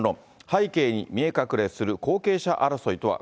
背景に見え隠れする後継者争いとは。